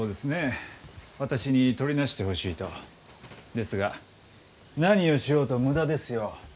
ですが何をしようと無駄ですよ。